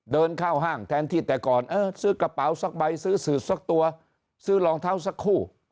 เดินเข้าห้างแทนที่แต่ก่อนเออซื้อกระเป๋าสักใบซื้อสื่อสักตัวซื้อรองเท้าสักคู่